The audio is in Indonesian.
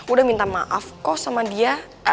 udah minta maaf kok sama dia